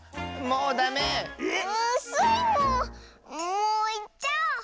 もういっちゃおう！